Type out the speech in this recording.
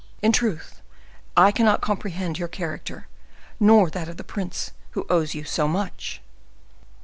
In truth, I cannot comprehend your character, nor that of the prince who owes you so much!"